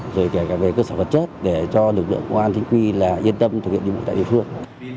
rồi kể cả về cơ sở vật chất để cho lực lượng công an chính quy yên tâm thực hiện điều kiện tại địa phương